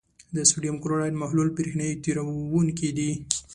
د سوډیم کلورایډ محلول برېښنا تیروونکی دی.